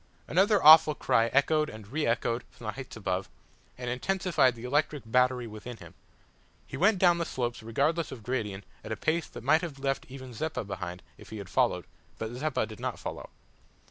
Another awful cry echoed and re echoed from the heights above, and intensified the electric battery within him. He went down the slopes regardless of gradient at a pace that might have left even Zeppa behind if he had followed; but Zeppa did not follow.